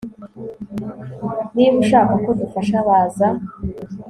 Niba ushaka ko dufasha baza